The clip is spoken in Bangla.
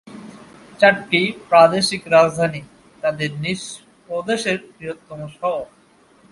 চারটি প্রাদেশিক রাজধানী তাদের নিজ প্রদেশের বৃহত্তম শহর।